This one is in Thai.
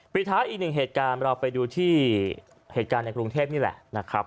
ปีเท้าอีก๑เหตุการณ์เราไปดูที่เกียรติการในกรุงเทพนี่แหละนะครับ